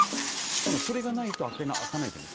それがないと開かないんですね。